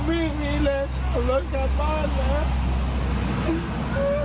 ไม่มีเลือดกลับรถกับบ้านเลย